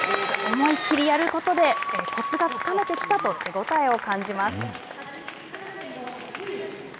思いきりやることでコツがつかめてきたと手応えを感じます。